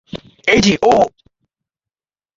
এই যে ও!